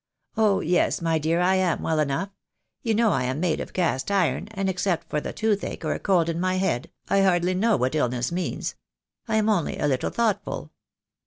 "Oh, yes, my dear, I am well enough. You know I am made of cast iron, and except for the toothache, or a cold in my head, I hardly know what illness means. I am only a little thoughtful."